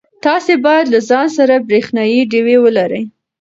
تاسي باید له ځان سره برېښنایی ډېوې ولرئ.